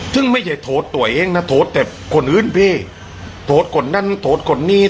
ซึ่งไม่ใช่โทษตัวเองนะโทษแต่คนอื่นพี่โทษคนนั้นโทษคนนี้